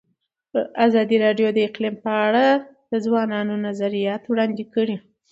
ازادي راډیو د اقلیم په اړه د ځوانانو نظریات وړاندې کړي.